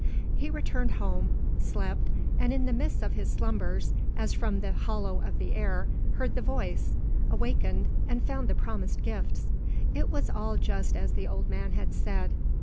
He returned home; slept, and in the midst of his slumbers, as from the hollow of the air, heard the voice; wakened and found the promised gifts. It was all just as the old man had said.